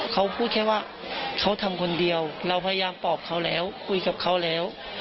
เขาพูดแค่ว่าเขาทำคนเดียวเราพยายามปอบเขาแล้วคุยกับเขาแล้ว